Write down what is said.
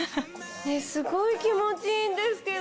すごい気持ちいいんですけど。